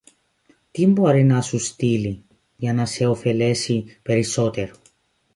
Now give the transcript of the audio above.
τι μπορεί να σου στείλει, για να σε ωφελήσει περισσότερο.